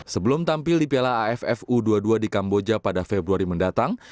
sebelum tampil di piala aff u dua puluh dua di kamboja pada februari mendatang